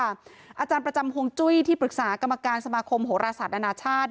อาจารย์ประจำฮวงจุ้ยที่ปรึกษากรรมการสมาคมโหรศาสตร์อนาชาติ